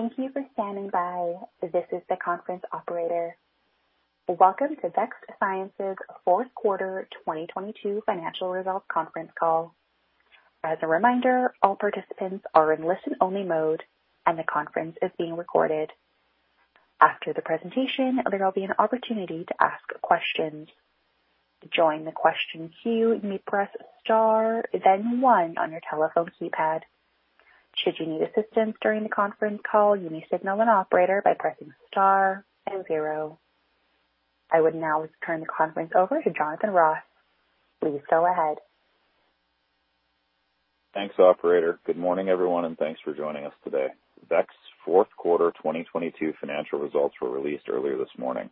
Thank you for standing by. This is the conference operator. Welcome to Vext Science's Fourth Quarter 2022 Financial Results Conference Call. As a reminder, all participants are in listen-only mode, and the conference is being recorded. After the presentation, there will be an opportunity to ask questions. To join the question queue, you may press star then 1 on your telephone keypad. Should you need assistance during the conference call, you may signal an operator by pressing star and 0. I would now like to turn the conference over to Jonathan Ross. Please go ahead. Thanks, operator. Good morning, everyone, and thanks for joining us today. Vext Fourth Quarter 2022 financial results were released earlier this morning.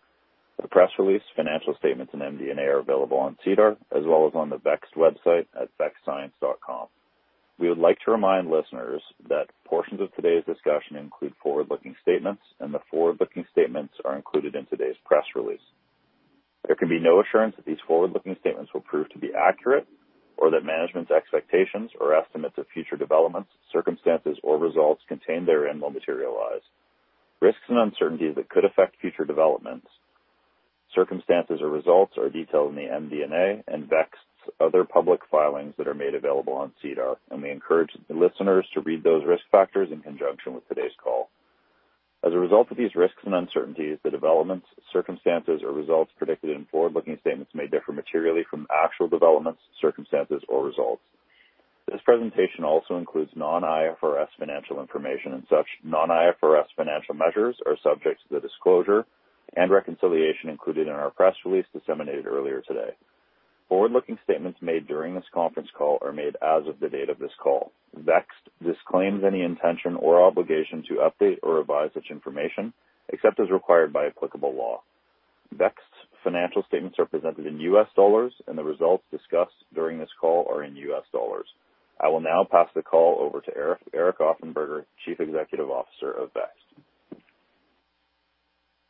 The press release, financial statements, and MD&A are available on SEDAR as well as on the Vext website at vextscience.com. We would like to remind listeners that portions of today's discussion include forward-looking statements, and the forward-looking statements are included in today's press release. There can be no assurance that these forward-looking statements will prove to be accurate or that management's expectations or estimates of future developments, circumstances, or results contained therein will materialize. Risks and uncertainties that could affect future developments, circumstances, or results are detailed in the MD&A and Vext's other public filings that are made available on SEDAR, and we encourage the listeners to read those risk factors in conjunction with today's call. As a result of these risks and uncertainties, the developments, circumstances, or results predicted in forward-looking statements may differ materially from actual developments, circumstances, or results. This presentation also includes non-IFRS financial information, and such non-IFRS financial measures are subject to the disclosure and reconciliation included in our press release disseminated earlier today. Forward-looking statements made during this conference call are made as of the date of this call. Vext disclaims any intention or obligation to update or revise such information, except as required by applicable law. Vext's financial statements are presented in US dollars, and the results discussed during this call are in US dollars. I will now pass the call over to Eric Offenberger, Chief Executive Officer of Vext.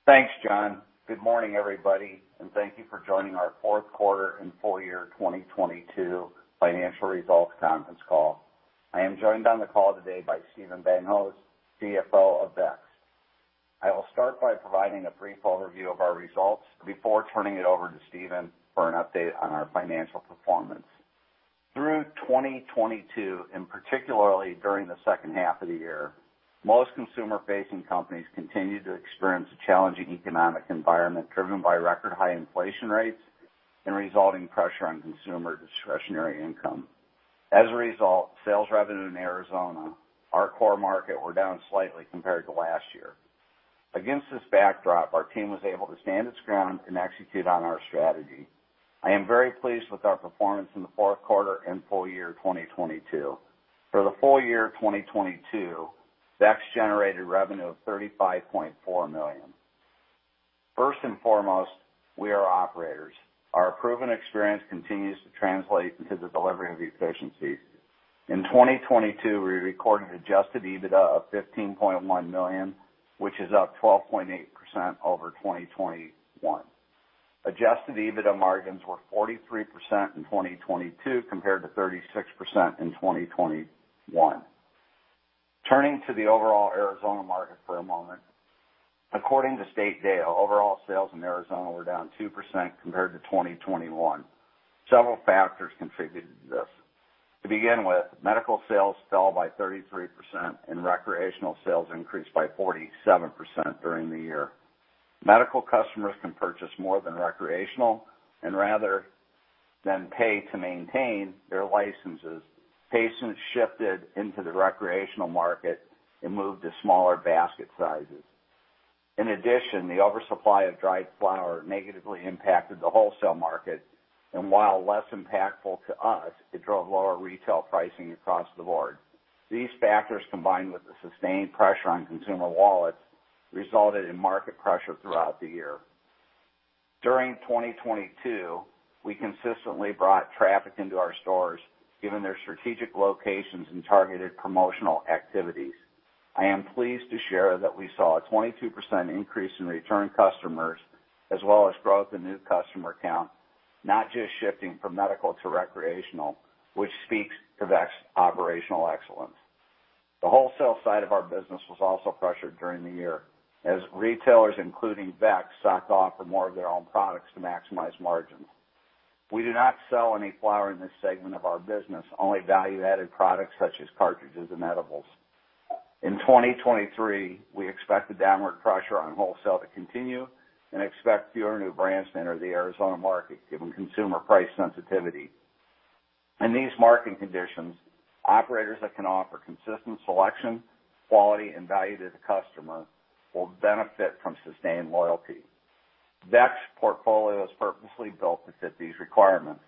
Thanks, John. Good morning, everybody, and thank you for joining our fourth quarter and full year 2022 financial results conference call. I am joined on the call today by Steven Van Hoose, CFO of Vext. I will start by providing a brief overview of our results before turning it over to Steven for an update on our financial performance. Through 2022, and particularly during the second half of the year, most consumer-facing companies continued to experience a challenging economic environment driven by record high inflation rates and resulting pressure on consumer discretionary income. As a result, sales revenue in Arizona, our core market, were down slightly compared to last year. Against this backdrop, our team was able to stand its ground and execute on our strategy. I am very pleased with our performance in the fourth quarter and full year 2022. For the full year 2022, Vext generated revenue of $35.4 million. First and foremost, we are operators. Our proven experience continues to translate into the delivery of efficiency. In 2022, we recorded adjusted EBITDA of $15.1 million, which is up 12.8% over 2021. Adjusted EBITDA margins were 43% in 2022 compared to 36% in 2021. Turning to the overall Arizona market for a moment. According to State Data, overall sales in Arizona were down 2% compared to 2021. Several factors contributed to this. To begin with, medical sales fell by 33% and recreational sales increased by 47% during the year. Medical customers can purchase more than recreational, rather than pay to maintain their licenses, patients shifted into the recreational market and moved to smaller basket sizes. The oversupply of dried flower negatively impacted the wholesale market, and while less impactful to us, it drove lower retail pricing across the board. These factors, combined with the sustained pressure on consumer wallets, resulted in market pressure throughout the year. During 2022, we consistently brought traffic into our stores given their strategic locations and targeted promotional activities. I am pleased to share that we saw a 22% increase in return customers as well as growth in new customer count, not just shifting from medical to recreational, which speaks to Vext operational excellence. The wholesale side of our business was also pressured during the year as retailers, including Vext, stocked off for more of their own products to maximize margins. We do not sell any flower in this segment of our business, only value-added products such as cartridges and edibles. In 2023, we expect the downward pressure on wholesale to continue and expect fewer new brands to enter the Arizona market given consumer price sensitivity. In these market conditions, operators that can offer consistent selection, quality, and value to the customer will benefit from sustained loyalty. Vext portfolio is purposely built to fit these requirements.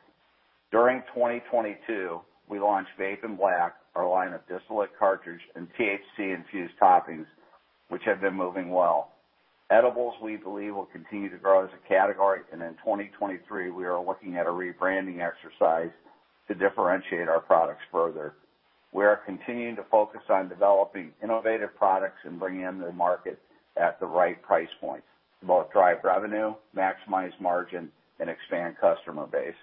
During 2022, we launched Vapen Black, our line of distillate cartridge and THC-infused toppings, which have been moving well. Edibles, we believe, will continue to grow as a category, and in 2023 we are looking at a rebranding exercise to differentiate our products further. We are continuing to focus on developing innovative products and bringing them to market at the right price point to both drive revenue, maximize margin, and expand customer base.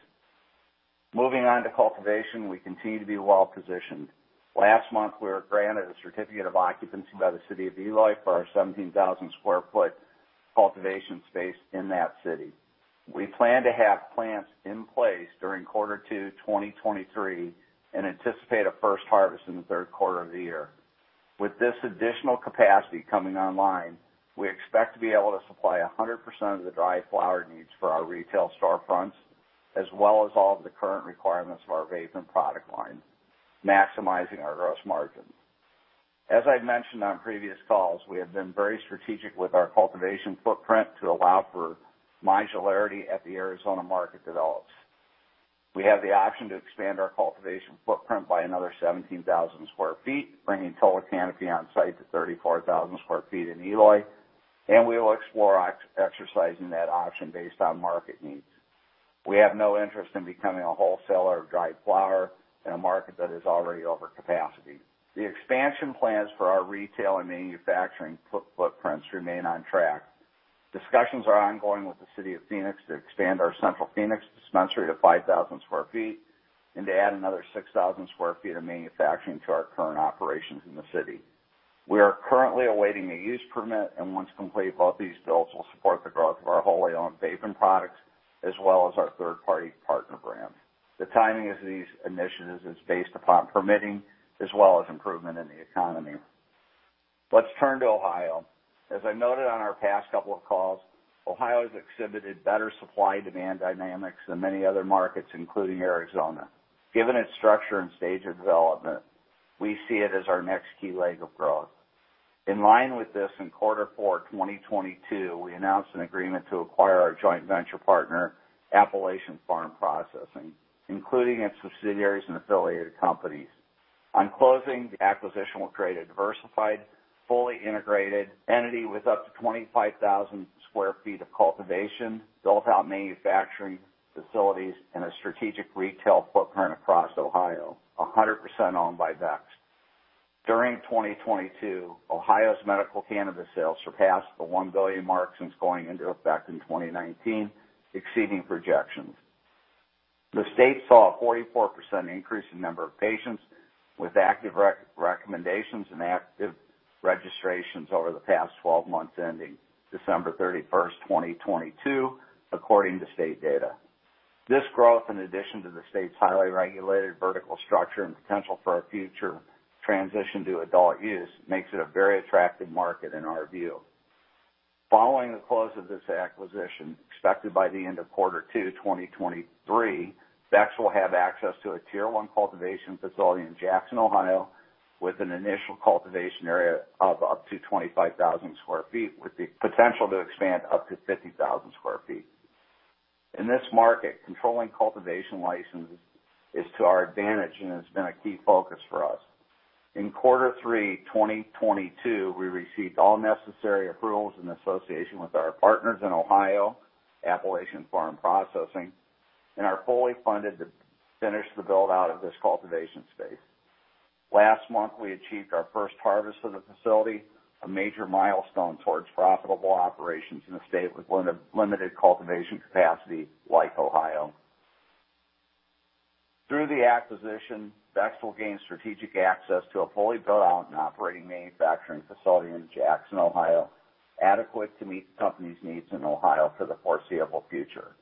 Moving on to cultivation, we continue to be well-positioned. Last month, we were granted a certificate of occupancy by the city of Eloy for our 17,000 sq ft cultivation space in that city. We plan to have plants in place during Q2 2023 and anticipate a first harvest in the 3rd quarter of the year. With this additional capacity coming online, we expect to be able to supply 100% of the dried flower needs for our retail storefronts as well as all of the current requirements of our Vapen product line, maximizing our gross margin. As I've mentioned on previous calls, we have been very strategic with our cultivation footprint to allow for modularity as the Arizona market develops. We have the option to expand our cultivation footprint by another 17,000 sq ft, bringing total canopy on site to 34,000 sq ft in Eloy. We will explore exercising that option based on market needs. We have no interest in becoming a wholesaler of dried flower in a market that is already over capacity. The expansion plans for our retail and manufacturing footprints remain on track. Discussions are ongoing with the city of Phoenix to expand our central Phoenix dispensary to 5,000 sq ft and to add another 6,000 sq ft of manufacturing to our current operations in the city. We are currently awaiting a use permit. Once complete, both these builds will support the growth of our wholly owned vape and products as well as our third-party partner brands. The timing of these initiatives is based upon permitting as well as improvement in the economy. Let's turn to Ohio. As I noted on our past couple of calls, Ohio has exhibited better supply-demand dynamics than many other markets, including Arizona. Given its structure and stage of development, we see it as our next key leg of growth. In line with this, in Q4 2022, we announced an agreement to acquire our joint venture partner, Appalachian Pharm Processing, including its subsidiaries and affiliated companies. On closing, the acquisition will create a diversified, fully integrated entity with up to 25,000 square feet of cultivation, built-out manufacturing facilities, and a strategic retail footprint across Ohio, a 100% owned by Vext. During 2022, Ohio's medical cannabis sales surpassed the $1 billion mark since going into effect in 2019, exceeding projections. The state saw a 44% increase in number of patients with active recommendations and active registrations over the past 12 months ending December 31, 2022, according to state data. This growth, in addition to the state's highly regulated vertical structure and potential for a future transition to adult use, makes it a very attractive market in our view. Following the close of this acquisition, expected by the end of Q2 2023, Vext will have access to a Tier 1 cultivation facility in Jackson, Ohio, with an initial cultivation area of up to 25,000 sq ft, with the potential to expand up to 50,000 sq ft. In this market, controlling cultivation licenses is to our advantage and has been a key focus for us. In Q3 2022, we received all necessary approvals in association with our partners in Ohio, Appalachian Pharm Processing, and are fully funded to finish the build-out of this cultivation space. Last month, we achieved our first harvest of the facility, a major milestone towards profitable operations in a state with limited cultivation capacity like Ohio. Through the acquisition, Vext will gain strategic access to a fully built-out and operating manufacturing facility in Jackson, Ohio, adequate to meet the company's needs in Ohio for the foreseeable future.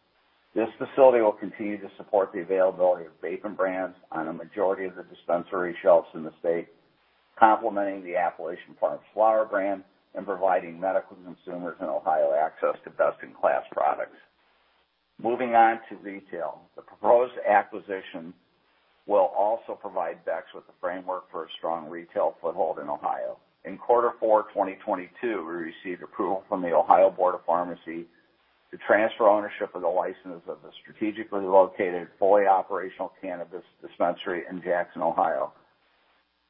This facility will continue to support the availability of Vapen brands on a majority of the dispensary shelves in the state, complementing the Appalachian Pharm flower brand and providing medical consumers in Ohio access to best-in-class products. Moving on to retail. The proposed acquisition will also provide Vext with the framework for a strong retail foothold in Ohio. In Q4 2022, we received approval from the Ohio Board of Pharmacy to transfer ownership of the license of the strategically located, fully operational cannabis dispensary in Jackson, Ohio.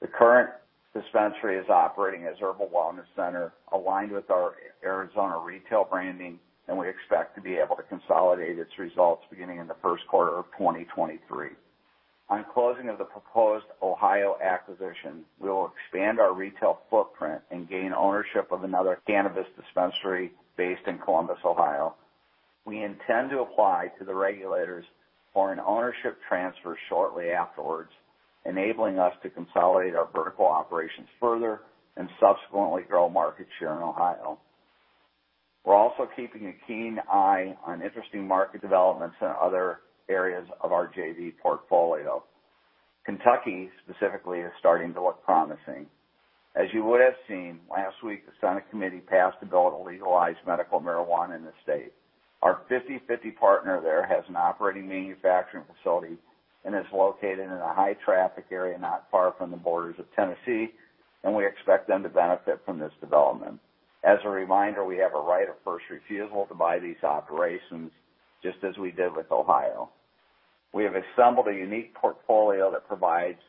The current dispensary is operating as Herbal Wellness Center, aligned with our Arizona retail branding, and we expect to be able to consolidate its results beginning in Q1 2023. On closing of the proposed Ohio acquisition, we will expand our retail footprint and gain ownership of another cannabis dispensary based in Columbus, Ohio. We intend to apply to the regulators for an ownership transfer shortly afterwards, enabling us to consolidate our vertical operations further and subsequently grow market share in Ohio. We're also keeping a keen eye on interesting market developments in other areas of our JV portfolio. Kentucky, specifically, is starting to look promising. As you would have seen, last week, the Senate committee passed a bill to legalize medical marijuana in the state. Our 50/50 partner there has an operating manufacturing facility and is located in a high-traffic area not far from the borders of Tennessee. We expect them to benefit from this development. As a reminder, we have a right of first refusal to buy these operations, just as we did with Ohio. We have assembled a unique portfolio that provides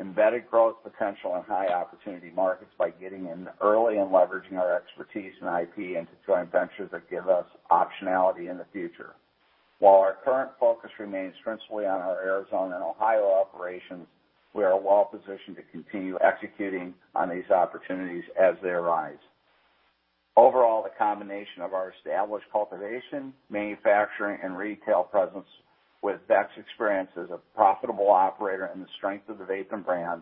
embedded growth potential in high-opportunity markets by getting in early and leveraging our expertise and IP into joint ventures that give us optionality in the future. While our current focus remains principally on our Arizona and Ohio operations, we are well positioned to continue executing on these opportunities as they arise. Overall, the combination of our established cultivation, manufacturing, and retail presence with Vext experience as a profitable operator and the strength of the Vapen brand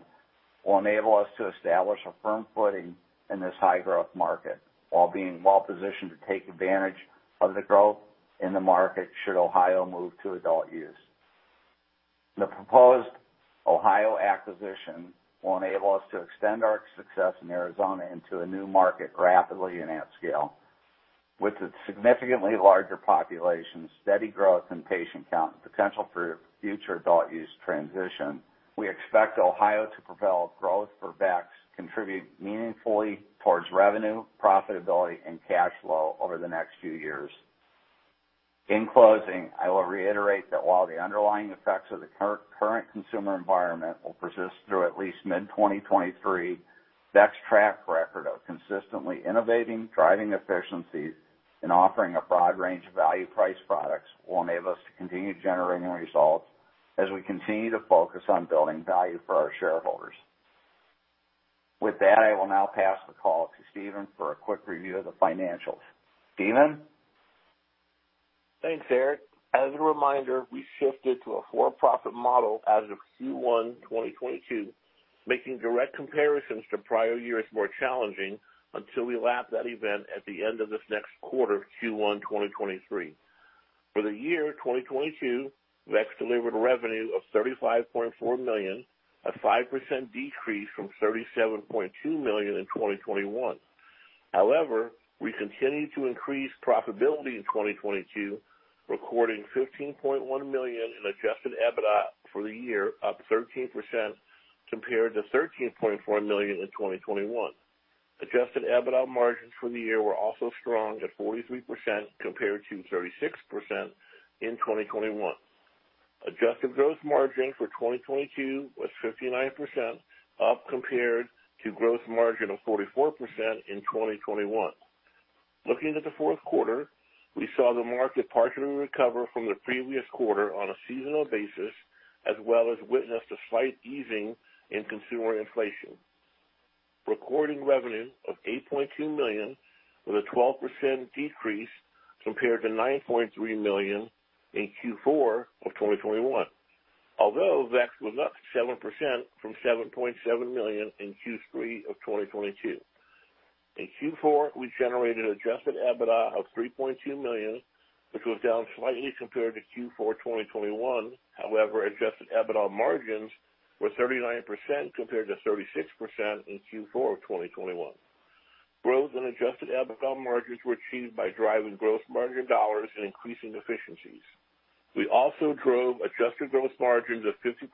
will enable us to establish a firm footing in this high-growth market while being well positioned to take advantage of the growth in the market should Ohio move to adult use. The proposed Ohio acquisition will enable us to extend our success in Arizona into a new market rapidly and at scale. With a significantly larger population, steady growth in patient count, and potential for future adult use transition, we expect Ohio to propel growth for Vext, contribute meaningfully towards revenue, profitability, and cash flow over the next few years. In closing, I will reiterate that while the underlying effects of the current consumer environment will persist through at least mid-2023, Vext track record of consistently innovating, driving efficiencies, and offering a broad range of value price products will enable us to continue generating results as we continue to focus on building value for our shareholders. With that, I will now pass the call to Steven for a quick review of the financials. Steven? Thanks, Eric. As a reminder, we shifted to a for-profit model as of Q1 2022, making direct comparisons to prior years more challenging until we lap that event at the end of this next quarter, Q1 2023. For the year 2022, Vext delivered revenue of $35.4 million, a 5% decrease from $37.2 million in 2021. We continued to increase profitability in 2022, recording $15.1 million in adjusted EBITDA for the year, up 13% compared to $13.4 million in 2021. Adjusted EBITDA margins for the year were also strong at 43% compared to 36% in 2021. Adjusted gross margin for 2022 was 59%, up compared to gross margin of 44% in 2021. Looking at the fourth quarter, we saw the market partially recover from the previous quarter on a seasonal basis, as well as witnessed a slight easing in consumer inflation, recording revenue of $8.2 million, with a 12% decrease compared to $9.3 million in Q4 of 2021. Vext was up 7% from $7.7 million in Q3 of 2022. In Q4, we generated adjusted EBITDA of $3.2 million, which was down slightly compared to Q4 2021. adjusted EBITDA margins were 39% compared to 36% in Q4 of 2021. Growth and adjusted EBITDA margins were achieved by driving gross margin dollars and increasing efficiencies. We also drove adjusted gross margins of 50%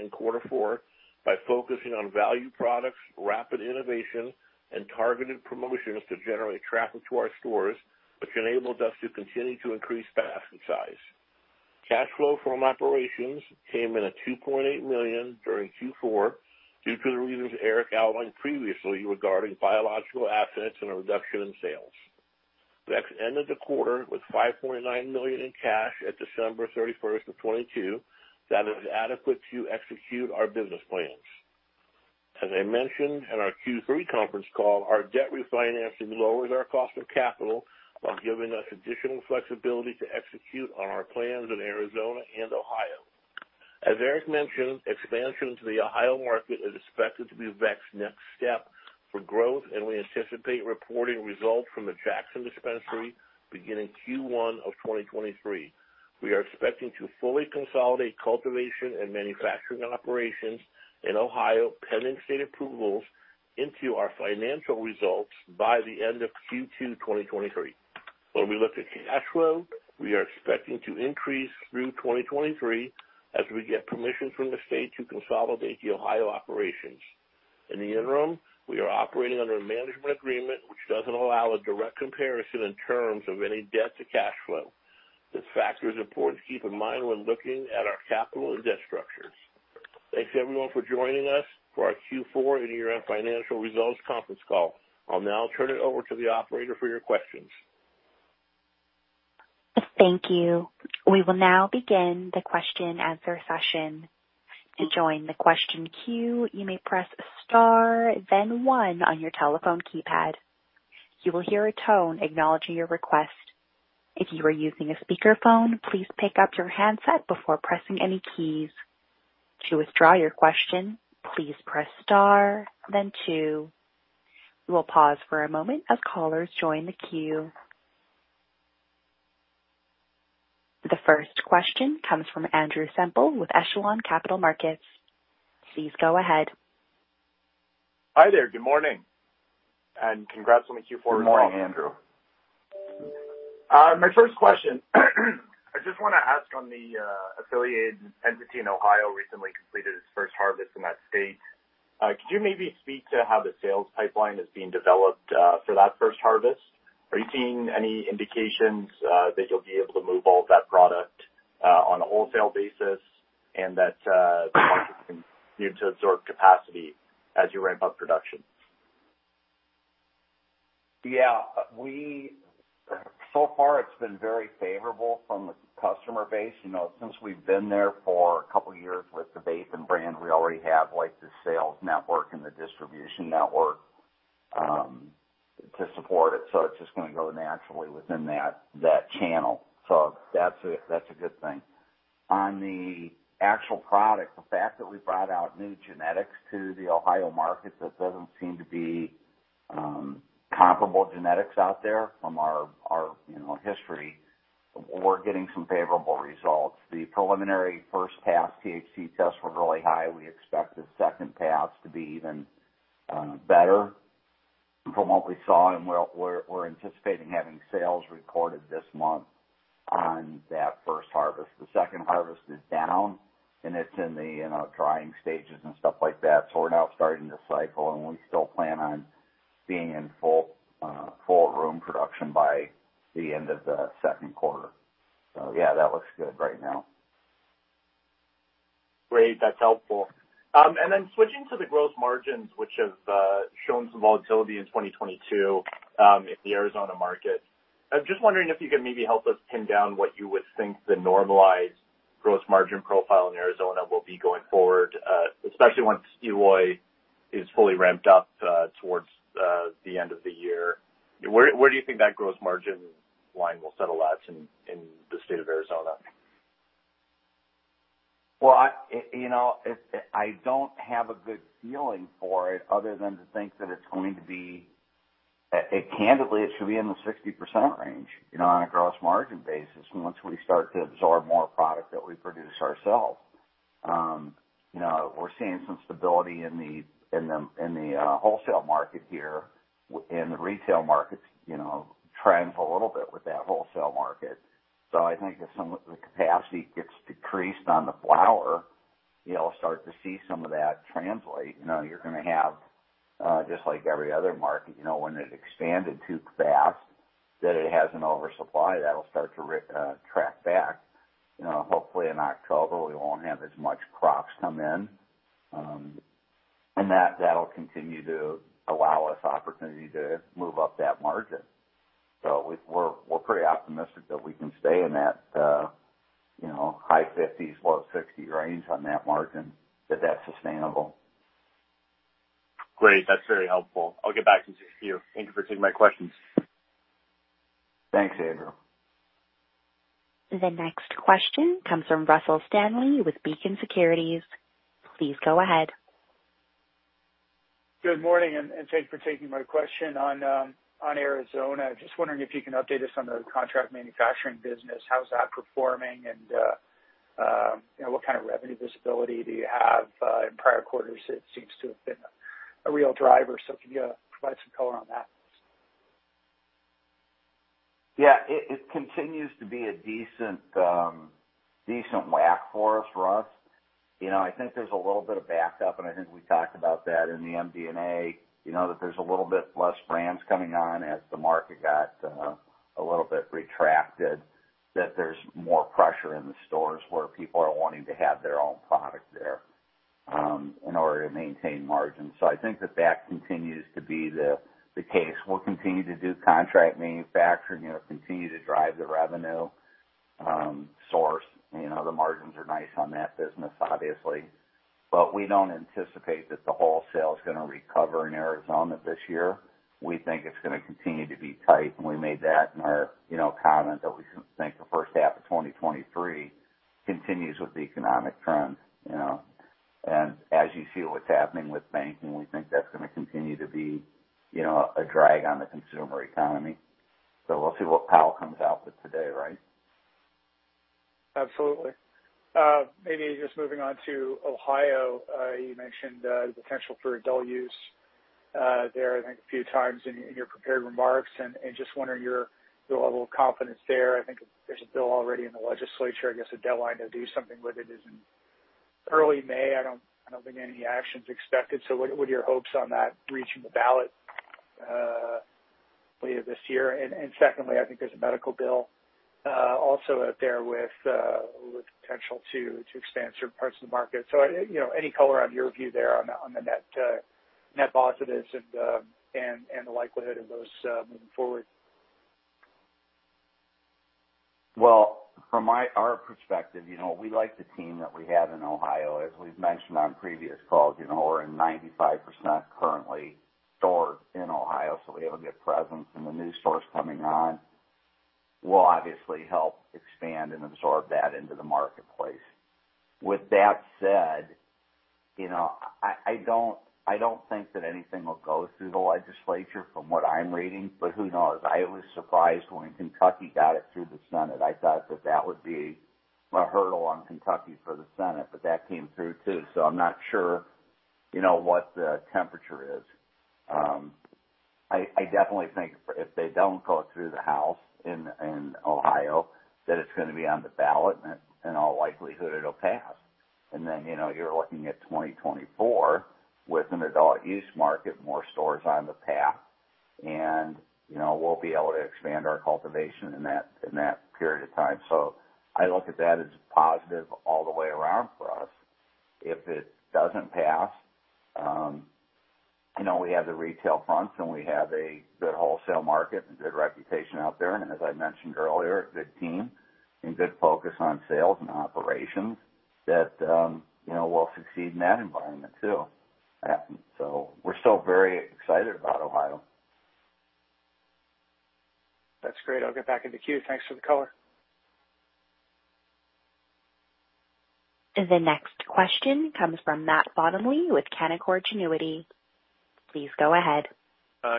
in quarter four by focusing on value products, rapid innovation, and targeted promotions to generate traffic to our stores, which enabled us to continue to increase basket size. Cash flow from operations came in at $2.8 million during Q4 due to the reasons Eric outlined previously regarding biological assets and a reduction in sales. Vext ended the quarter with $5.9 million in cash at December 31, 2022. That is adequate to execute our business plans. As I mentioned in our Q3 conference call, our debt refinancing lowers our cost of capital while giving us additional flexibility to execute on our plans in Arizona and Ohio. As Eric mentioned, expansion into the Ohio market is expected to be Vext next step for growth, and we anticipate reporting results from the Jackson dispensary beginning Q1 of 2023. We are expecting to fully consolidate cultivation and manufacturing operations in Ohio, pending state approvals, into our financial results by the end of Q2 2023. We look at cash flow, we are expecting to increase through 2023 as we get permission from the state to consolidate the Ohio operations. In the interim, we are operating under a management agreement which doesn't allow a direct comparison in terms of any debt to cash flow. This factor is important to keep in mind when looking at our capital and debt structures. Thanks, everyone, for joining us for our Q4 and year-end financial results conference call. I'll now turn it over to the operator for your questions. Thank you. We will now begin the question and answer session. To join the question queue, you may press star then 1 on your telephone keypad. You will hear a tone acknowledging your request. If you are using a speakerphone, please pick up your handset before pressing any keys. To withdraw your question, please press star then 2. We will pause for a moment as callers join the queue. The first question comes from Andrew Semple with Echelon Capital Markets. Please go ahead. Hi there. Good morning, and congrats on the Q4 results. Good morning, Andrew. My first question. I just wanna ask on the affiliated entity in Ohio recently completed its first harvest in that state. Could you maybe speak to how the sales pipeline is being developed for that first harvest? Are you seeing any indications that you'll be able to move all of that product on a wholesale basis and that the market can continue to absorb capacity as you ramp up production? Yeah, so far it's been very favorable from the customer base. You know, since we've been there for a couple of years with the Vapen brand, we already have like the sales network and the distribution network to support it. It's just gonna go naturally within that channel. That's a good thing. On the actual product, the fact that we brought out new genetics to the Ohio market, that doesn't seem to be comparable genetics out there from our, you know, history, we're getting some favorable results. The preliminary first pass THC tests were really high. We expect the second pass to be even better from what we saw. We're anticipating having sales recorded this month on that first harvest. The second harvest is down, and it's in the, you know, drying stages and stuff like that. We're now starting to cycle, and we still plan on being in full room production by the end of the second quarter. Yeah, that looks good right now. Great. That's helpful. Switching to the gross margins, which have shown some volatility in 2022, in the Arizona market. I'm just wondering if you can maybe help us pin down what you would think the normalized gross margin profile in Arizona will be going forward, especially once Ohio is fully ramped up, towards the end of the year. Where, where do you think that gross margin line will settle at in the state of Arizona? Well, I, you know, I don't have a good feeling for it other than to think that it's going to be, candidly, it should be in the 60% range, you know, on a gross margin basis once we start to absorb more product that we produce ourselves. You know, we're seeing some stability in the wholesale market here, and the retail markets, you know, trends a little bit with that wholesale market. I think if some of the capacity gets decreased on the flower, you know, we'll start to see some of that translate. You know, you're gonna have, just like every other market, you know, when it expanded too fast that it has an oversupply that'll start to track back. You know, hopefully in October, we won't have as much crops come in, and that'll continue to allow us opportunity to move up that margin. We're pretty optimistic that we can stay in that, you know, high fifties, low sixties range on that margin, that that's sustainable. Great. That's very helpful. I'll get back in touch with you. Thank you for taking my questions. Thanks, Andrew. The next question comes from Russell Stanley with Beacon Securities. Please go ahead. Good morning, and thanks for taking my question. On Arizona, just wondering if you can update us on the contract manufacturing business? How's that performing, and, you know, what kind of revenue visibility do you have? In prior quarters, it seems to have been a real driver. Can you provide some color on that? It continues to be a decent whack for us, Russ. You know, I think there's a little bit of backup, and I think we talked about that in the MD&A, you know, that there's a little bit less brands coming on as the market got a little bit retracted, that there's more pressure in the stores where people are wanting to have their own product there in order to maintain margins. I think that continues to be the case. We'll continue to do contract manufacturing, you know, continue to drive the revenue source. You know, the margins are nice on that business, obviously. We don't anticipate that the wholesale is gonna recover in Arizona this year. We think it's gonna continue to be tight, we made that in our, you know, comment that we think the first half of 2023 continues with the economic trend, you know. As you see what's happening with banking, we think that's gonna continue to be, you know, a drag on the consumer economy. We'll see what Powell comes out with today, right? Absolutely. Maybe just moving on to Ohio. You mentioned the potential for adult use there, I think, a few times in your prepared remarks. Just wondering your level of confidence there. I think there's a bill already in the legislature. I guess the deadline to do something with it is in early May. I don't think any action's expected. What are your hopes on that reaching the ballot later this year? Secondly, I think there's a medical bill also out there with potential to expand certain parts of the market. You know, any color on your view there on the net net positives and the likelihood of those moving forward? Well, from our perspective, you know, we like the team that we have in Ohio. As we've mentioned on previous calls, you know, we're in 95% currently stored in Ohio, so we have a good presence. The new stores coming on will obviously help expand and absorb that into the marketplace. With that said, you know, I don't think that anything will go through the legislature from what I'm reading, but who knows? I was surprised when Kentucky got it through the Senate. I thought that would be a hurdle on Kentucky for the Senate, but that came through too. I'm not sure, you know, what the temperature is. I definitely think if they don't go through the House in Ohio, that it's gonna be on the ballot, and in all likelihood, it'll pass. You know, you're looking at 2024 with an adult use market, more stores on the path. You know, we'll be able to expand our cultivation in that, in that period of time. I look at that as positive all the way around for us. If it doesn't pass, you know, we have the retail front and we have a good wholesale market and good reputation out there, and as I mentioned earlier, a good team and good focus on sales and operations that, you know, we'll succeed in that environment too. We're still very excited about Ohio. That's great. I'll get back in the queue. Thanks for the color. The next question comes from Matt Bottomley with Canaccord Genuity. Please go ahead.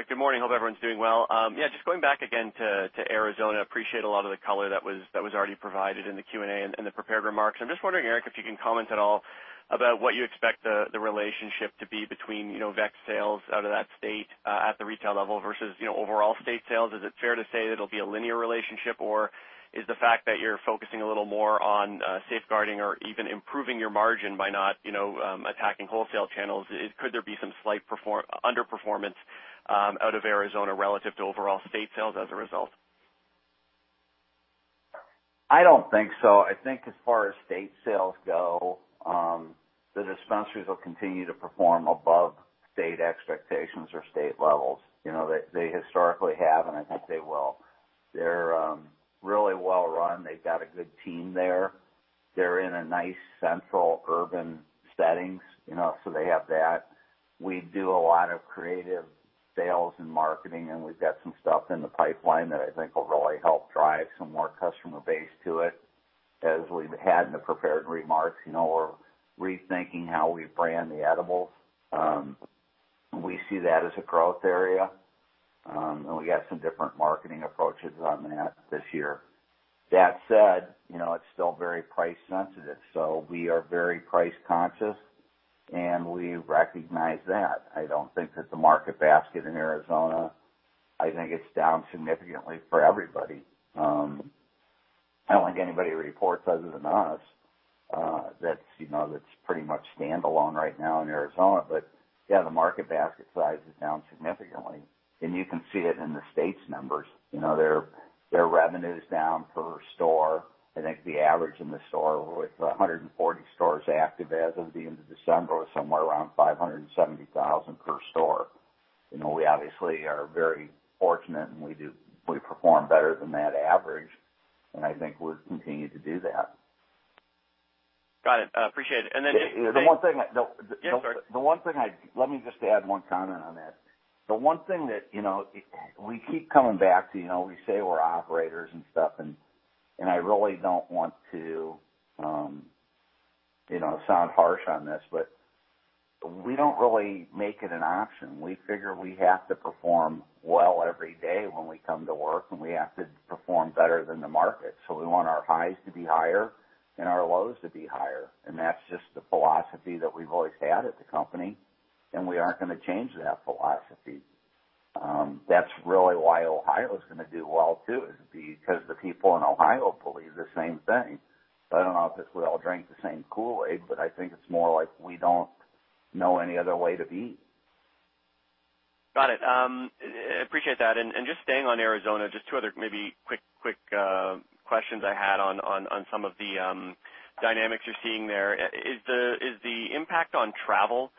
Good morning. Hope everyone's doing well. Yeah, just going back again to Arizona. Appreciate a lot of the color that was already provided in the Q&A and the prepared remarks. I'm just wondering, Eric, if you can comment at all about what you expect the relationship to be between, you know, Vext sales out of that state at the retail level versus, you know, overall state sales. Is it fair to say that it'll be a linear relationship, or is the fact that you're focusing a little more on safeguarding or even improving your margin by not, you know, attacking wholesale channels, could there be some slight underperformance out of Arizona relative to overall state sales as a result? I don't think so. I think as far as state sales go, the dispensaries will continue to perform above state expectations or state levels. You know, they historically have, and I think they will. They're really well run. They've got a good team there. They're in a nice central urban settings, you know, so they have that. We do a lot of creative sales and marketing, and we've got some stuff in the pipeline that I think will really help drive some more customer base to it. As we've had in the prepared remarks, you know, we're rethinking how we brand the edibles. We see that as a growth area, and we got some different marketing approaches on that this year. That said, you know, it's still very price sensitive, so we are very price conscious, and we recognize that. I don't think that the market basket in Arizona. I think it's down significantly for everybody. I don't think anybody reports other than us, that's, you know, that's pretty much standalone right now in Arizona. Yeah, the market basket size is down significantly, and you can see it in the state's numbers. You know, their revenue's down per store. I think the average in the store with 140 stores active as of the end of December was somewhere around $570,000 per store. You know, we obviously are very fortunate and we perform better than that average, and I think we'll continue to do that. Got it. Appreciate it. The one thing I... Yeah, sorry. The one thing. Let me just add one comment on that. The one thing that, you know, we keep coming back to, you know, we say we're operators and stuff, and I really don't want to, you know, sound harsh on this, but we don't really make it an option. We figure we have to perform well every day when we come to work, and we have to perform better than the market. We want our highs to be higher and our lows to be higher. That's just the philosophy that we've always had at the company, and we aren't gonna change that philosophy. That's really why Ohio's gonna do well too, is because the people in Ohio believe the same thing. I don't know if it's we all drink the same Kool-Aid, but I think it's more like we don't know any other way to be. Got it. Appreciate that. Just staying on Arizona, just two other maybe quick questions I had on some of the dynamics you're seeing there. Is the impact on travel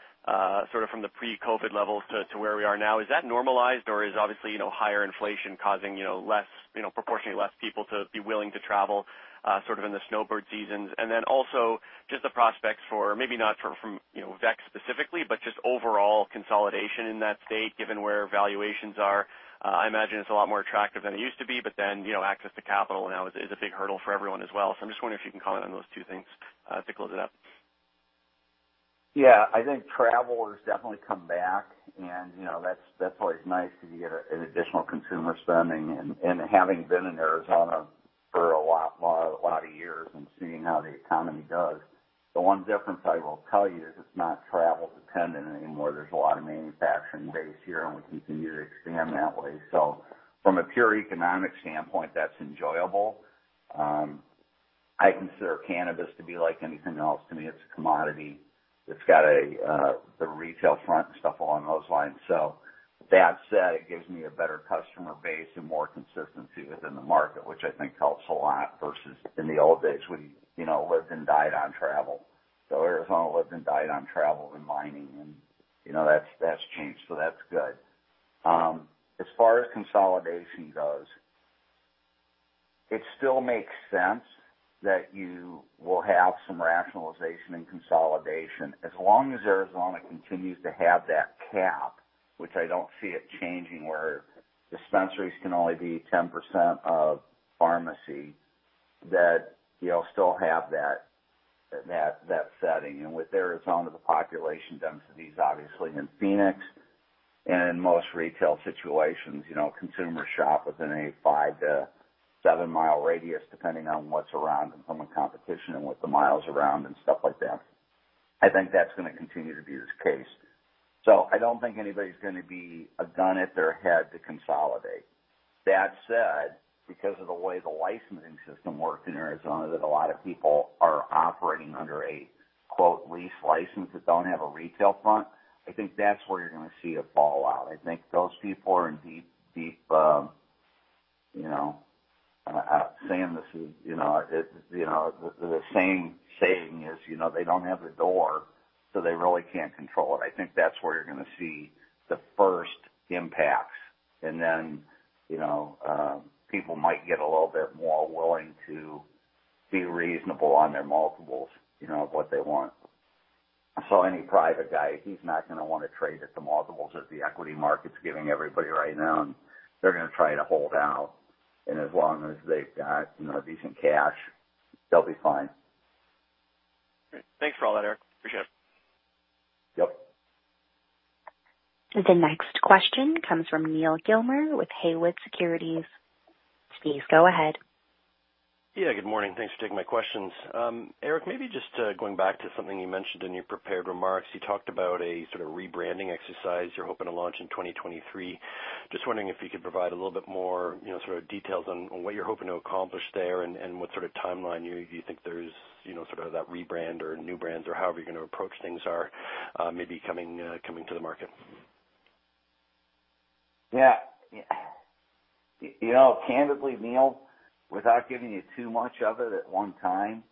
sort of from the pre-COVID levels to where we are now, is that normalized or is obviously, you know, higher inflation causing, you know, less, proportionately less people to be willing to travel, sort of in the snowbird seasons? Also just the prospects for maybe not for, you know, Vext specifically, but just overall consolidation in that state, given where valuations are. I imagine it's a lot more attractive than it used to be, you know, access to capital now is a big hurdle for everyone as well. I'm just wondering if you can comment on those two things, to close it out. Yeah. I think travel has definitely come back and, you know, that's always nice because you get an additional consumer spending. Having been in Arizona for a lot of years and seeing how the economy does, the one difference I will tell you is it's not travel dependent anymore. There's a lot of manufacturing base here, and we continue to expand that way. From a pure economic standpoint, that's enjoyable. I consider cannabis to be like anything else. To me, it's a commodity. It's got the retail front and stuff along those lines. That said, it gives me a better customer base and more consistency within the market, which I think helps a lot versus in the old days, we, you know, lived and died on travel. Arizona lived and died on travel and mining and, you know, that's changed, so that's good. As far as consolidation goes, it still makes sense that you will have some rationalization and consolidation. As long as Arizona continues to have that cap, which I don't see it changing, where dispensaries can only be 10% of pharmacy, that you'll still have that setting. With Arizona, the population densities obviously in Phoenix and in most retail situations, you know, consumers shop within a 5 to 7-mile radius depending on what's around and from a competition and what the miles around and stuff like that. I think that's gonna continue to be this case. I don't think anybody's gonna be a gun at their head to consolidate. That said, because of the way the licensing system works in Arizona, that a lot of people are operating under a, quote, "lease license" that don't have a retail front. I think that's where you're gonna see a fallout. I think those people are in deep. You know, saying this is, you know, the same saying is, you know, they don't have the door, so they really can't control it. I think that's where you're gonna see the first impacts. Then, you know, people might get a little bit more willing to be reasonable on their multiples, you know, of what they want. Any private guy, he's not gonna wanna trade at the multiples that the equity market's giving everybody right now, and they're gonna try to hold out. As long as they've got, you know, decent cash, they'll be fine. Great. Thanks for all that, Eric. Appreciate it. Yep. The next question comes from Neal Gilmer with Haywood Securities. Please go ahead. Yeah, good morning. Thanks for taking my questions. Eric, maybe just going back to something you mentioned in your prepared remarks, you talked about a sort of rebranding exercise you're hoping to launch in 2023. Just wondering if you could provide a little bit more sort of details on what you're hoping to accomplish there and what sort of timeline you think there's sort of that rebrand or new brands or however you're gonna approach things are maybe coming to the market. Yeah. You know, candidly, Neal, without giving you too much of it at one time,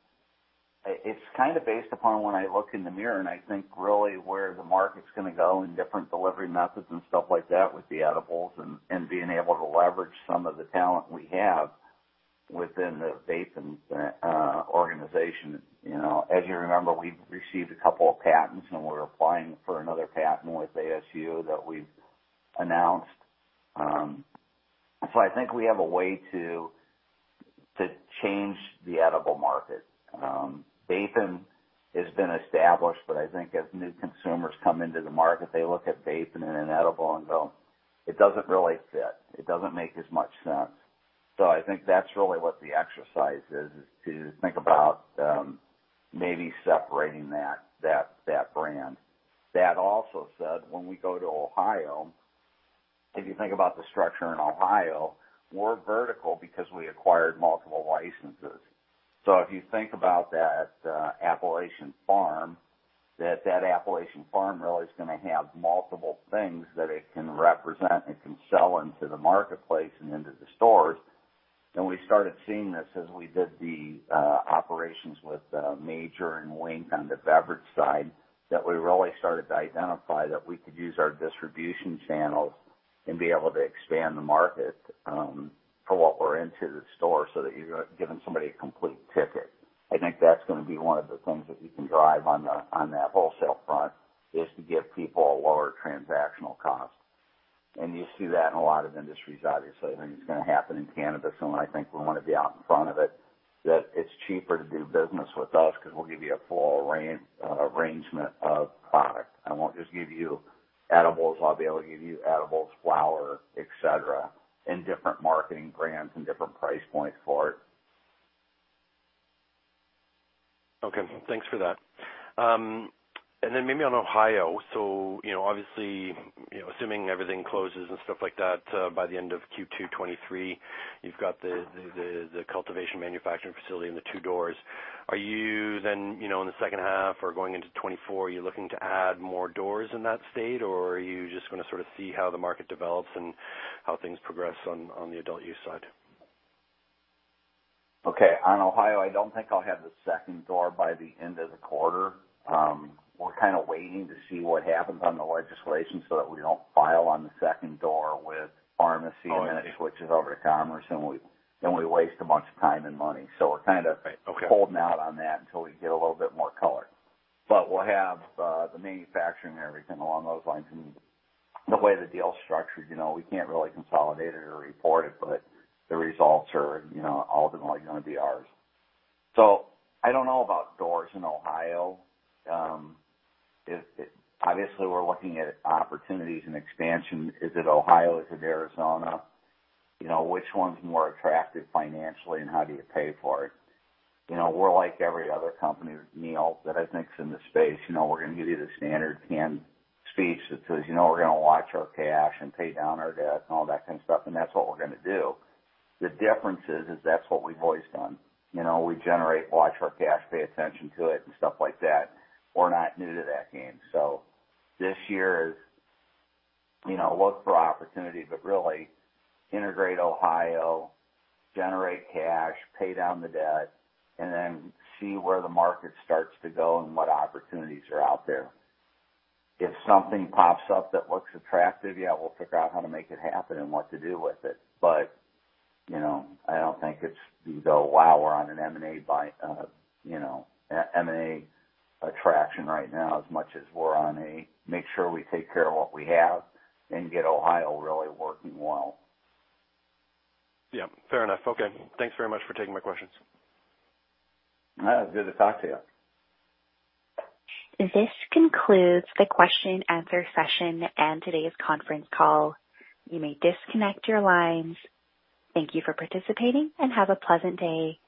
it's kinda based upon when I look in the mirror and I think really where the market's gonna go and different delivery methods and stuff like that with the edibles and being able to leverage some of the talent we have within the Vapen organization. You know, as you remember, we received a couple of patents and we're applying for another patent with ASU that we've announced. So I think we have a way to change the edible market. Vapen has been established, but I think as new consumers come into the market, they look at Vapen in an edible and go, "It doesn't really fit. It doesn't make as much sense. I think that's really what the exercise is to think about maybe separating that brand. That also said, when we go to Ohio, if you think about the structure in Ohio, we're vertical because we acquired multiple licenses. If you think about that, Appalachian Pharm, that Appalachian Pharm really is gonna have multiple things that it can represent, it can sell into the marketplace and into the stores. We started seeing this as we did the operations with Major and Link on the beverage side, that we really started to identify that we could use our distribution channels and be able to expand the market for what we're into the store so that you're giving somebody a complete ticket. I think that's gonna be one of the things that we can drive on the, on that wholesale front, is to give people a lower transactional cost. You see that in a lot of industries, obviously. I think it's gonna happen in cannabis, and I think we wanna be out in front of it, that it's cheaper to do business with us 'cause we'll give you a full arrangement of product. I won't just give you edibles. I'll be able to give you edibles, flower, et cetera, in different marketing brands and different price points for it. Okay. Thanks for that. Maybe on Ohio, you know, obviously, you know, assuming everything closes and stuff like that, by the end of Q2 2023, you've got the cultivation manufacturing facility and the 2 doors. Are you then, you know, in the second half or going into 2024, are you looking to add more doors in that state, or are you just gonna sort of see how the market develops and how things progress on the adult use side? On Ohio, I don't think I'll have the second door by the end of the quarter. We're kinda waiting to see what happens on the legislation so that we don't file on the second door. Oh, I see. -and it switches over to commerce, and we waste a bunch of time and money. We're kinda. Right. Okay. -holding out on that until we get a little bit more color. We'll have the manufacturing and everything along those lines. The way the deal's structured, you know, we can't really consolidate it or report it, but the results are, you know, ultimately gonna be ours. I don't know about doors in Ohio. Obviously, we're looking at opportunities and expansion. Is it Ohio? Is it Arizona? You know, which one's more attractive financially, and how do you pay for it? You know, we're like every other company, Neal, that I think's in the space. You know, we're gonna give you the standard canned speech that says, "You know, we're gonna watch our cash and pay down our debt," and all that kind of stuff, and that's what we're gonna do. The difference is that's what we've always done. You know, we generate, watch our cash, pay attention to it, and stuff like that. We're not new to that game. This year is, you know, look for opportunity, but really integrate Ohio, generate cash, pay down the debt, and then see where the market starts to go and what opportunities are out there. If something pops up that looks attractive, yeah, we'll figure out how to make it happen and what to do with it. You know, I don't think it's the, "Wow, we're on an M&A attraction right now as much as we're on a make sure we take care of what we have and get Ohio really working well. Yeah. Fair enough. Okay. Thanks very much for taking my questions. No, good to talk to you. This concludes the question and answer session and today's conference call. You may disconnect your lines. Thank you for participating, and have a pleasant day.